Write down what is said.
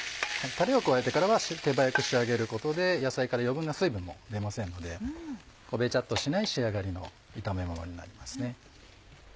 タレを加えてからは手早く仕上げることで野菜から余分な水分も出ませんのでべちゃっとしない仕上がりの炒めものになりますね。